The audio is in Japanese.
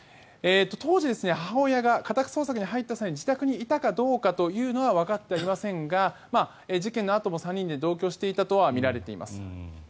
当時、母親が家宅捜索に入った際に自宅にいたかどうかはわかっていませんが事件のあとも３人で同居していたとはみられています。